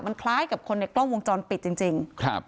มันคล้ายกับคนในกล้องวงจรปิดจริงครับ